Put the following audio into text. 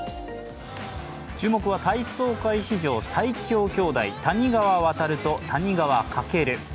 注目は体操界史上最強兄弟谷川航と谷川翔。